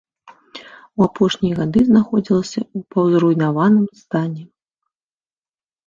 У апошнія гады знаходзілася ў паўзруйнаваным стане.